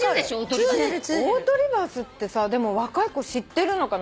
オートリバースってさでも若い子知ってるのかな。